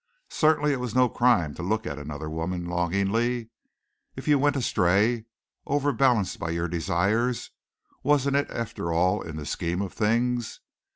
Certainly it was no crime to look at another woman longingly. If you went astray, overbalanced by your desires, wasn't it after all in the scheme of things?